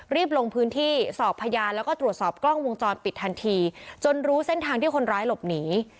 รีบลงพื้นที่สอบพยานแล้วก็ตรวจสอบกล้องวงจรปิดทันทีจนรู้เส้นทางที่คนร้ายหลบหนี